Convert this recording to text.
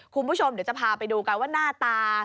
คุณผู้ชมเดี๋ยวจะพาไปดูกันว่าหน้าตา